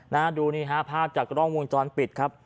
น่าดูนี่ภาพจากร่องวงจรปิดครับ